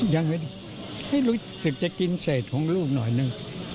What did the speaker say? ยังไม่รู้สึกจะกินเศษของลูกหน่อยนึง